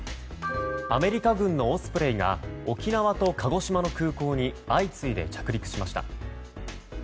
アメリカ軍のオスプレイが沖縄と鹿児島の空港に相次いで着陸しました。